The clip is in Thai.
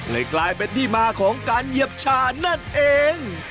เลยกลายเป็นที่มาของการเหยียบชานั่นเอง